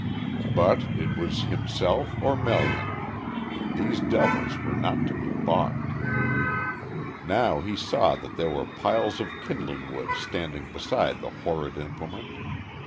But it was himself or Melian. These devils were not to be balked. Now he saw that there were piles of kindling wood standing beside the horrid implement.